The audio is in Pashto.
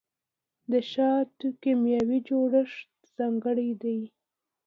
د شاتو کیمیاوي جوړښت ځانګړی دی.